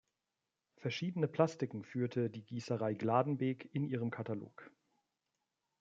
Verschiedene Plastiken führte die Gießerei Gladenbeck in ihrem Katalog.